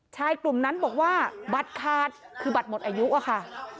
ชายกลุ่มนั้นบอกว่าบัตรขาดคือบัตรหมดอายุอะค่ะ